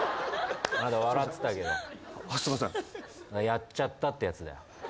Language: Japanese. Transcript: やっちゃったってやつだよ。